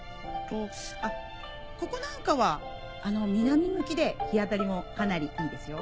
あっここなんかは南向きで日当たりもかなりいいですよ。